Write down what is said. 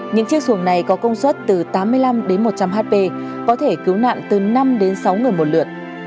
những chiếc xuồng này có công suất từ tám mươi năm đến một trăm linh hp có thể cứu nạn từ năm đến sáu người một lượt